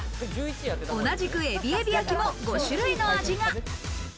同じく、えびえび焼も５種類の味が。